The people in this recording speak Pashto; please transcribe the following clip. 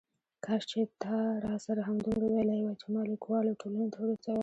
کاش چې تا راسره همدومره ویلي وای چې ما لیکوالو ټولنې ته ورسوه.